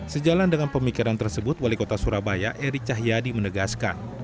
sejalan dengan pemikiran tersebut wali kota surabaya eri cahyadi menegaskan